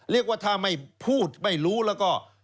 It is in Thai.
เรียกว่าถ้าไม่พูดไม่รู้แล้วก็